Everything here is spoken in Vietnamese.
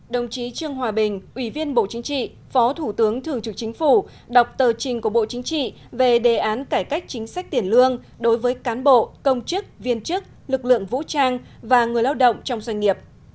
đồng chí trương hòa bình ủy viên bộ chính trị phó thủ tướng thường trực chính phủ đọc tờ trình của bộ chính trị về đề án cải cách chính sách tiền lương đối với cán bộ công chức viên chức lực lượng vũ trang và người lao động trong doanh nghiệp